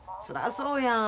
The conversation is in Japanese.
そらそうや。